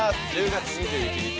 １０月２１日